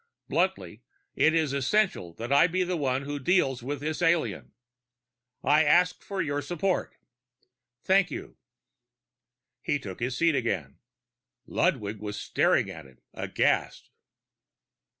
Bluntly, it is essential that I be the one who deals with this alien. I ask for your support. Thank you." He took his seat again. Ludwig was staring at him, aghast.